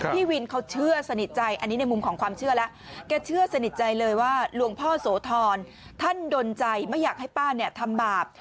พี่วินเขาเชื่อสนิทใจอันนี้ในมุมของความเชื่อแล้วแกเชื่อสนิทใจเลยว่าหลวงพ่อโสธรท่านดนใจไม่อยากให้ป้าเนี่ยทำบาป